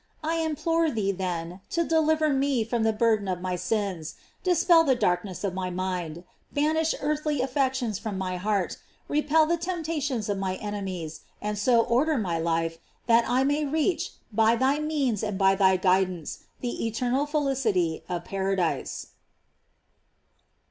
I implore thee, then, to deliver me from the burden of my sins; dispel the darknes of my mind; banish earthly affections from my heart; repel the temptations of my enemies, and so order my life, that I may reach, by thy means and by thy guidance, the eternal felicity of paradise.